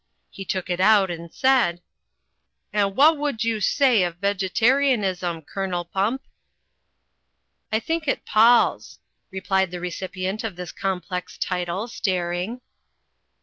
He took it out and said: "And wha' would you say of Vegetarianism, Colonel Pump?" "I think it palls," replied the recipient of this com plex title, staring.